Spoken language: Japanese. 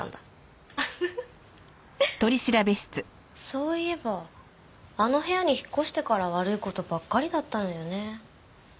そういえばあの部屋に引っ越してから悪い事ばっかりだったのよね。